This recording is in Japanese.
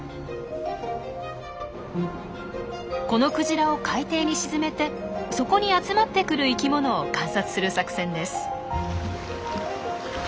このクジラを海底に沈めてそこに集まってくる生きものを観察する作戦です。